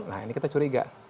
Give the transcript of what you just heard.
nah ini kita curiga